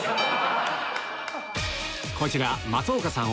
こちら松岡さん